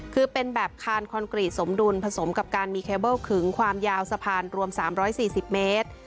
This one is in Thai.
คือเป็นแบบคานคอนกรีตสมดุลผสมกับการมีเคเบิ้ลขึงความยาวสะพานรวม๓๔๐เมตร